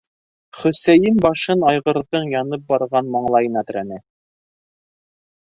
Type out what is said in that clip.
- Хөсәйен башын айғырҙың янып барған маңлайына терәне.